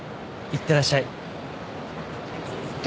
いってらっしゃい。